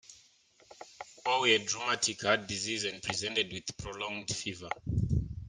All had rheumatic heart disease and presented with prolonged fever.